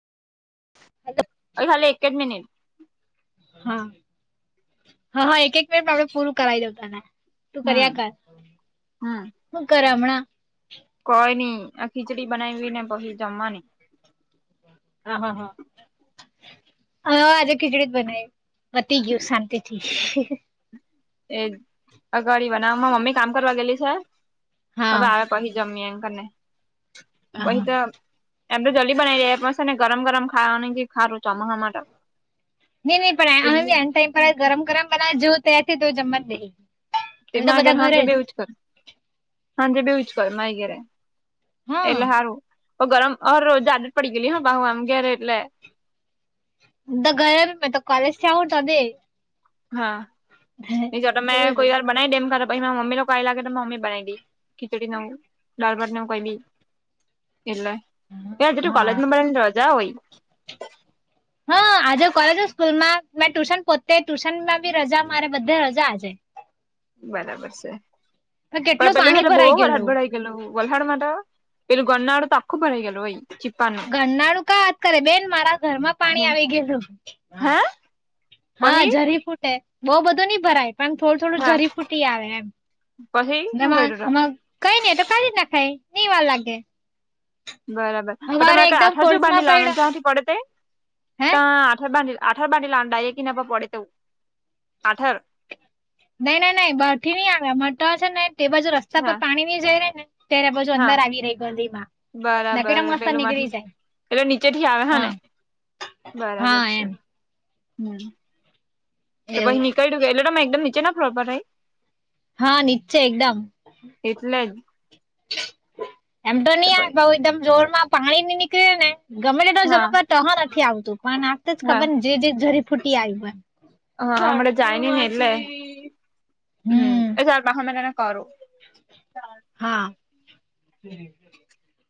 Hello [unintelligible] ખાલી એક જ મિનટ હા. હા, હા એક-એક મિનિટ મારું પૂરું કરાવી દઉં તને. તું કર્યા હમ કર. હમ હું કરે હમણા? કોઈ નઈ, આ ખીચડી બનાવીવી ને પહી જમવાની. હા, હા, હા. હા આજે ખીચડી જ બનાવી, પતી ગયું શાંતિ થી. [inaudible] એજ અગળવા નારા મમ્મી કામ કરવા ગેલી છે હા હવે આવે પહી જમીએ ક ને પહી હા તો એમ તો જલ્દી બનાવી દે એ પલ્સ ને ગરમ ગરમ ખાવાની ખારું ચોમાસા માટે નઈ નહીં પણ અમે એટલે બી એન્ડ ટાઈમ પર જ ગરમ ગરમ બનાવા જોવ તયારથી તો જમવા જ દઈ હાલ તી તો માગે બધા ઘરે હાજે બી એવુ જ કરું હાજે બી એવુ જ કરું [unintelligible] હા એટલે સારું ગરમ હરોજ દ જ પડી ગયેલી હા બાહુ આમ ઘેે એટલે તો ઘરે તો કોલેજ છે ઉઠો દ હા ને જો તમે કોઈ વાાર બનાવી દે એમર પછી મા મમી લોકો કઈ લાગે તો મમ્મી બનાઈ દઈ ખીચડી નું લરબટને કી એટલે એજ તું હા કોલેજ માં પડે રજા હોય હા આજે કોલેજ હો સ્કૂલમાં મે ટ્યુશન પોતે ટ્યુશનમાં બી રજા મારે બધે રજા આજે બરાબર છે પણ કેટલું પેલું હ પાણી તો ભરાઈ બહ વાર ગયેલું હાથભળઈ ગ વલહાડ તો પેલું ગનાડ તો આખું ભરાઈ ગલું હોઈ ઘરનારું કા વાત કરે બેન મારા ઘરમાં પાણી હમ આવી ગયેલું હે હા પહી જરી ફૂટેે બઉ બધું નહી ભરાય પણ થોડું થોડું હા જરી ફૂટી આવે પહી હું એમમાં કર્યું તા આમાં કઈ નને તો કાઢી નાખાય નહીઈ વાર લાગે બરાબર પ હવારે તમામેરે કઈ એકદમ આઠવાજો ફોર્સમાં ભાડી લન પડ્યો તથી પડે તે હે ત આઠાર બાંધ આઠાર બાંધલા અ ડાય નવ પડે તું આઠાર નઈ ના નઈં બેઠી નઈં આવ્યા મટા છે ન તે બાજુ રસ્તા પર હા પાણી નહી જાય રે ને ત્યારે પછુ હા અંદર આવી રહી ગંધીમાં ના કેટ મસ્ત નીકળી જાય એેલે નીચે થી આવે હા ને બરાબર હા છે એમ હમ તો પછ એવું નીકળી કે એટલે તો એકદમ નીચે ના ફ્લો પરરાઈ હા નિચચ એકદમ એટલે જ એમ તો નહી આવેય ભઉ એકદમ જોરમાં પાણી ની નીકળે ને ગમે તે તો હા જનોક ત નથી આવતું પણ આખતા જ હા ખબર ને જે જે જરી ફૂટી આવ્યું હો હા અ જાય ન નલે હમ હ એ સાર પાખા મને કરો હા